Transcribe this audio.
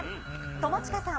友近さん。